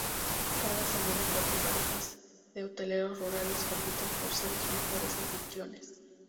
Cada semana, cuatro parejas de hoteleros rurales compiten por ser los mejores anfitriones.